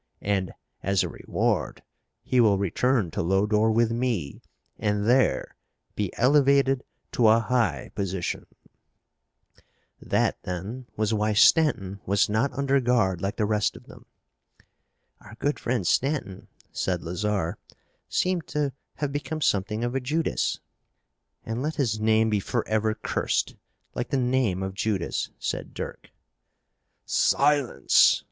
And, as a reward, he will return to Lodore with me and there be elevated to a high position." That, then, was why Stanton was not under guard like the rest of them. "Our good friend, Stanton," said Lazarre, "seems to have become something of a Judas." "And let his name be forever cursed, like the name of Judas," said Dirk. "Silence!"